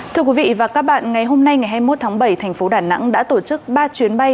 thưa quý vị và các bạn ngày hôm nay ngày hai mươi một tháng bảy thành phố đà nẵng đã tổ chức ba chuyến bay